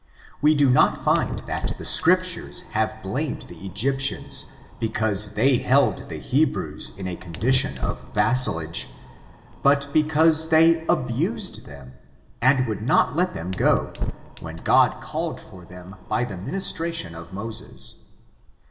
We do not find that the Scriptures have blamed the Egyptians because they held the Hebrews in a condition of vassalage, but because they abused them, and would not let them go, when God called for them by the ministration of Moses.